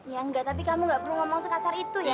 ya enggak tapi kamu nggak perlu ngomong sekasar itu ya